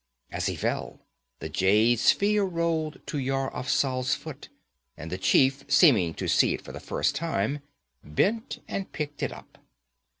As he fell, the jade sphere rolled to Yar Afzal's foot, and the chief, seeming to see it for the first time, bent and picked it up.